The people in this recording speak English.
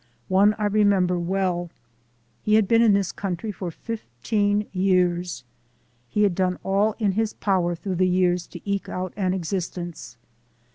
One I remember well. He had been in this country for fifteen years. He had done all in his power through the years to eke out an ex istence.